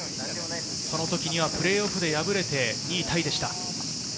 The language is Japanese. その時にはプレーオフで敗れて２位タイでした。